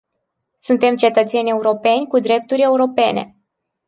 Suntem cetățeni europeni cu drepturi europene.